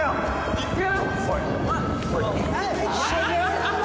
いくよ！